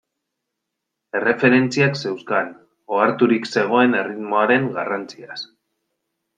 Erreferentziak zeuzkan, oharturik zegoen erritmoaren garrantziaz.